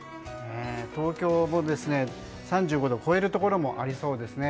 東京も３５度を超えるところもありそうですね。